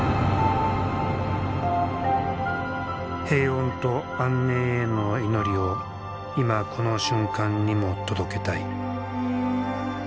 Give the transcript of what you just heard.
平穏と安寧への祈りを今この瞬間にも届けたい。